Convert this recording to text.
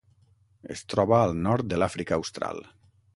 Es troba al nord de l'Àfrica Austral.